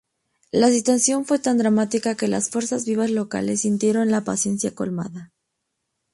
La situación fue tan dramática que las fuerzas vivas locales sintieron la paciencia colmada.